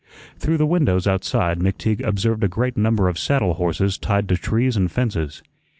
Through the windows outside McTeague observed a great number of saddle horses tied to trees and fences.